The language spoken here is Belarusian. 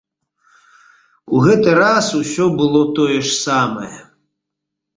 У гэты раз усё было тое ж самае.